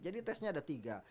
jadi tesnya ada tiga